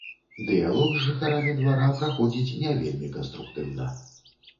Дыялог з жыхарамі двара праходзіць не вельмі канструктыўна.